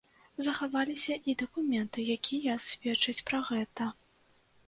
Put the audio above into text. Захаваліся і дакументы, якія сведчаць пра гэта.